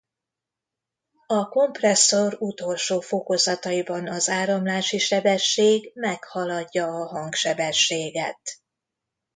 A kompresszor utolsó fokozataiban az áramlási sebesség meghaladja a hangsebességet.